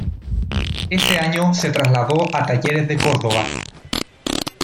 Ese año se trasladó a Talleres de Córdoba.